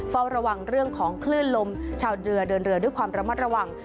เฝ้าระวังเรื่องของคลื่นลมชาวเรือเดินเรือด้วยความระมัดระวัง